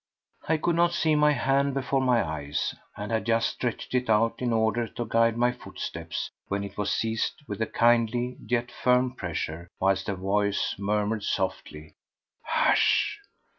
I could not see my hand before my eyes, and had just stretched it out in order to guide my footsteps when it was seized with a kindly yet firm pressure, whilst a voice murmured softly: "Hush!"